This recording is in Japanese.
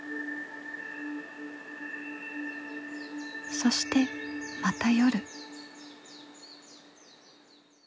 そしてまた夜。